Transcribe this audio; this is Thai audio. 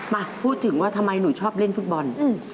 มาพูดถึงว่าทำไมหนูชอบเล่นฟุตบอล